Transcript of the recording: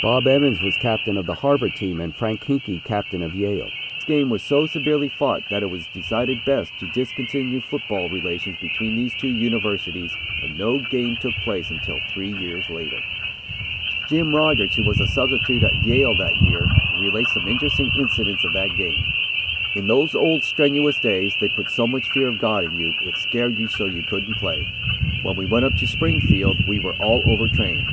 Bob Emmons was captain of the Harvard team and Frank Hinkey captain of Yale. This game was so severely fought that it was decided best to discontinue football relations between these two universities and no game took place until three years later. Jim Rodgers, who was a substitute at Yale that year, relates some interesting incidents of that game: "In those old strenuous days, they put so much fear of God in you, it scared you so you couldn't play. When we went up to Springfield, we were all over trained.